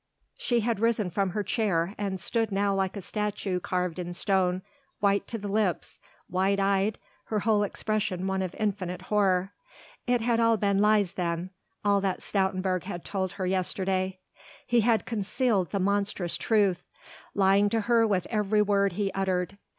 She had risen from her chair and stood now like a statue carved in stone, white to the lips, wide eyed, her whole expression one of infinite horror. It had all been lies then, all that Stoutenburg had told her yesterday! He had concealed the monstrous truth, lying to her with every word he uttered.